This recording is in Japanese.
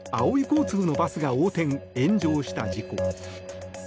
交通のバスが横転・炎上した事故。